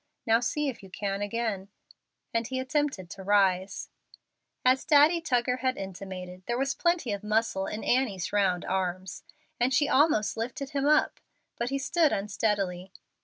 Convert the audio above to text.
Now see if you can again;" and he attempted to rise. As Daddy Tuggar had intimated, there was plenty of muscle in Annie's round arms, and she almost lifted him up, but he stood unsteadily.